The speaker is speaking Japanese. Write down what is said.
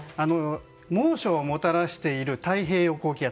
猛暑をもたらしている太平洋高気圧。